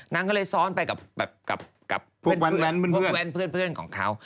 นางก็เลยซ้อนไปกับเพื่อนของเขา